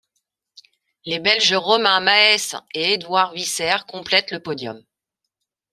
Les Belges Romain Maes et Edward Vissers complètent le podium.